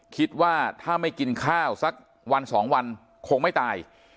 คิดว่าถ้าไม่กินข้าวสักวันสองวันคงไม่ตาย